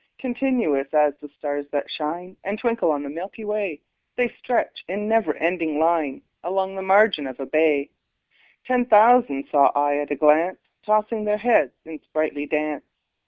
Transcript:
Continuous as the stars that shine And twinkle on the milky way, The stretched in never ending line Along the margin of a bay: Ten thousand saw I at a glance, Tossing their heads in sprightly dance.